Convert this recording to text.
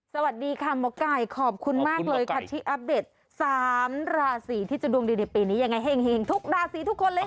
สวัสดีค่ะหมอไก่ขอบคุณมากเลยค่ะที่อัปเดต๓ราศีที่จะดวงดีในปีนี้ยังไงเฮ่งทุกราศีทุกคนเลย